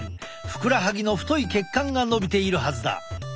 ふくらはぎの太い血管がのびているはずだ。